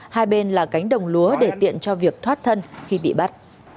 hai bên là cánh đồng lúa để tiện cho việc thoát thân khi bị bắt